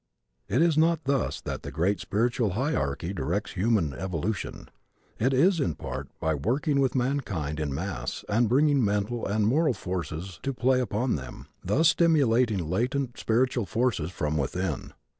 It is not thus that the great spiritual hierarchy directs human evolution. It is, in part, by working with mankind en masse and bringing mental and moral forces to play upon them, thus stimulating latent spiritual forces from within.